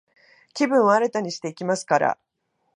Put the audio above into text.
気分を新たにしていきますから、